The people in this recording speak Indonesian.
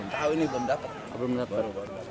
tahu ini belum dapat